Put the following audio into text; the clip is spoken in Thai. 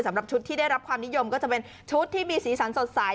สำหรับชุดที่ได้รับความนิยมก็จะเป็นชุดที่มีสีสันสดใส